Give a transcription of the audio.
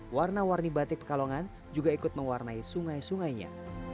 warna warni batik pekalongan juga ikut mewarnai sungai sungainya